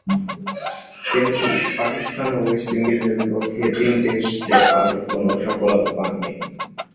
কিন্তু, পাকিস্তান ও ওয়েস্ট ইন্ডিজের বিপক্ষে তিন টেস্টে আর কোন সফলতা পাননি।